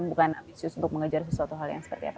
bukan ambisius untuk mengejar sesuatu hal yang seperti apa